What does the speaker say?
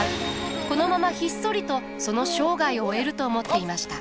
このままひっそりとその生涯を終えると思っていました。